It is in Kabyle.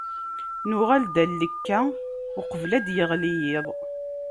Nuɣal-d ɣer llekka qbel ad d-yeɣli yiḍ.